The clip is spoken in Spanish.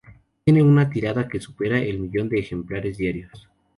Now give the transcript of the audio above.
Tiene una tirada que supera el millón de ejemplares diarios.